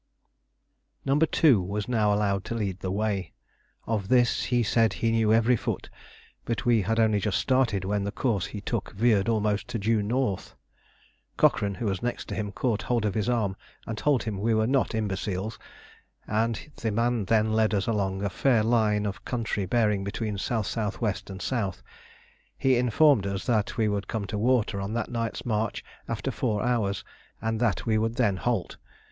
No. 2 was now allowed to lead the way. Of this he said he knew every foot; but we had only just started when the course he took veered almost to due north. Cochrane, who was next to him, caught hold of his arm and told him we were not imbeciles, and the man then led us along a fair line of country bearing between S.S.W. and S. He informed us that we would come to water on that night's march after four hours, and that we would then halt.